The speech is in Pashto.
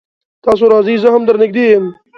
تاسو راځئ زه هم در نږدې يم